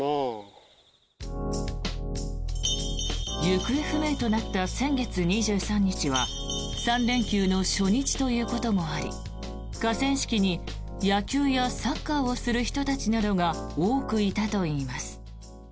行方不明となった先月２３日は３連休の初日ということもあり河川敷に野球やサッカーをする人たちなどが多くいたといいます。